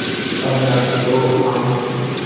اب نہ تو ہم